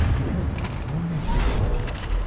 Numegbedidi.